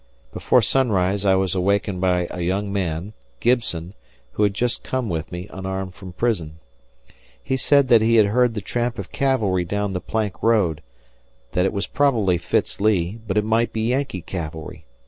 Before sunrise I was awakened by a young man, Gibson, who had just come with me, unarmed, from prison. He said that he heard the tramp of cavalry down the plank road; that it was probably Fitz Lee, but it might be Yankee cavalry.